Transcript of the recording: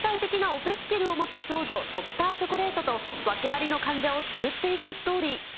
義手の元医者、野田哲也が天才的なオペスキルを持つ少女、ドクター・チョコレートと訳ありの患者を救っていくストーリー。